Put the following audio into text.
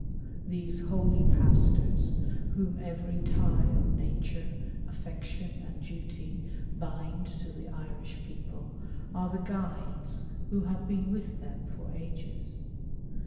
These holy pastors, whom every tie of nature, affection, and duty, bind to the Irish people, are the guides who have been with them for ages.